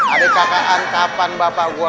adek kakaan kapan bapak gue